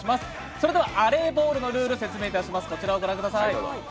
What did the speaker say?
それではアレーボールのルールを説明します。